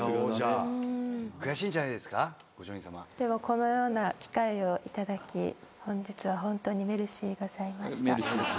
このような機会を頂き本日は本当にメルシーございました。